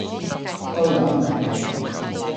都有啲名氣